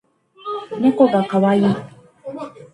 ねこがかわいい